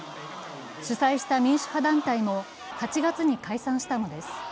主催した民主派団体も８月に解散したのです。